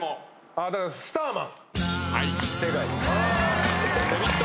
『スターマン』